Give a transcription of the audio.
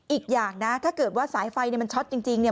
อีกอย่างนะถ้าเกิดว่าสายไฟเนี่ยมันช็อตจริงเนี่ย